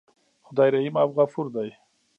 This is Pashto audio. خدای رحیم او غفور دی.